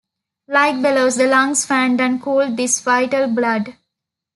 Like bellows, the lungs fanned and cooled this vital blood.